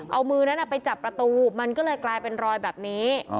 เอามือนั้นไปจับประตูมันก็เลยกลายเป็นรอยแบบนี้